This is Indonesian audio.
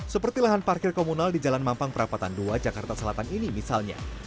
seperti lahan parkir komunal di jalan mampang perapatan dua jakarta selatan ini misalnya